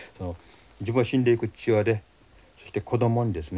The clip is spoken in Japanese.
自分は死んでいく父親でそして子どもにですね